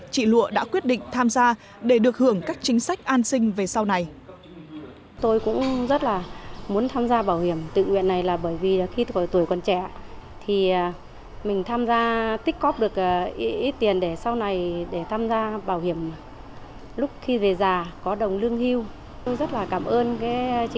chị lụa đã quyết định tham gia để được hưởng các chính sách an sinh về sau này